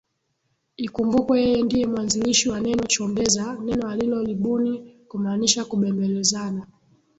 Ikumbukwe yeye ndiye mwanzilishi wa neno Chombeza neno alilolibuni kumaanisha kubembelezana